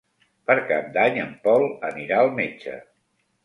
Per Cap d'Any en Pol anirà al metge.